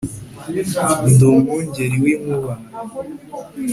ndi umwungeri wi nkuba